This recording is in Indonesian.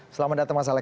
selamat datang mas alex